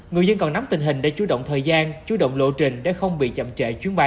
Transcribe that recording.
người dân còn nắm tình hình để chú động thời gian chú động lộ trình để không bị chậm trễ chuyến bay